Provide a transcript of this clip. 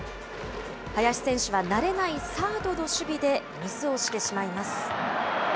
林選手は慣れないサードの守備でミスをしてしまいます。